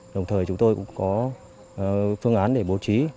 đồng thời chúng tôi cũng có phương án để bố trí